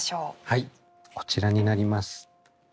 はいこちらになります。